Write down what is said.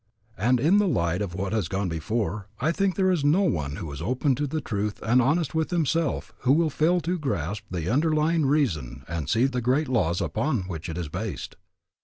And in the light of what has gone before, I think there is no one who is open to truth and honest with himself who will fail to grasp the underlying reason and see the great laws upon which it is based.